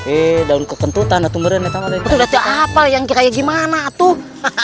eh daun kekentutan atu merenatang digedihkan apa ya nggak kayak gimana tuh